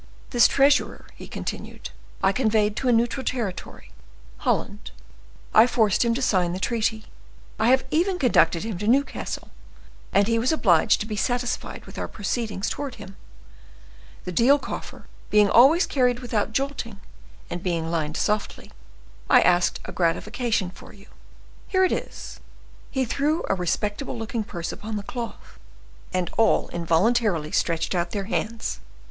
"This treasurer," he continued, "I conveyed to a neutral territory, Holland; I forced him to sign the treaty; I have even reconducted him to Newcastle, and he was obliged to be satisfied with our proceedings towards him—the deal coffer being always carried without jolting, and being lined softly, I asked a gratification for you. Here it is." He threw a respectable looking purse upon the cloth; and all involuntarily stretched out their hands.